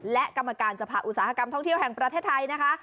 และกรรมการสภาอุตสาหกรรมท่องเที่ยวแห่งประเทศไทยนะคะ